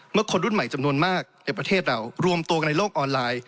คนรุ่นใหม่จำนวนมากในประเทศเรารวมตัวกันในโลกออนไลน์